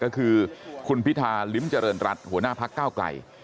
ก็คือคุณพิธาลิ้มเจริญรัฐหัวหน้าพักเก้าไกล